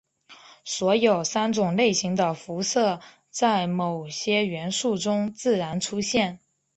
所有三种类型的辐射在某些元素中自然出现。